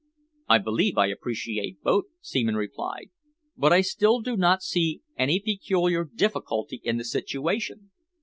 "I believe I appreciate both," Seaman replied, "but I still do not see any peculiar difficulty in the situation.